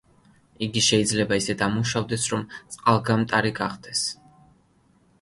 იგი შეიძლება ისე დამუშავდეს, რომ წყალგამტარი გახდეს.